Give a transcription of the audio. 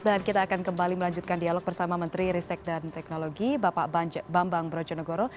dan kita akan kembali melanjutkan dialog bersama menteri ristek dan teknologi bapak bambang brojonegoro